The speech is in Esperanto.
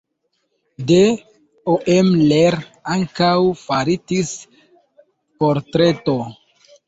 De Oemler ankaŭ faritis portreto.